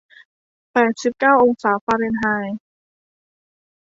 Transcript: แปดสิบเก้าองศาฟาเรนไฮน์